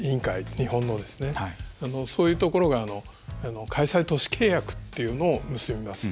日本のですね、そういうところが開催都市契約というのを結びます。